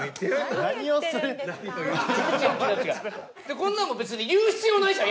こんなのもう別に言う必要ないじゃん！